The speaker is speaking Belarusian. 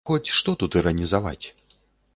Хоць што тут іранізаваць?